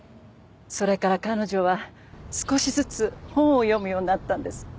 それから彼女は少しずつ本を読むようになったんです。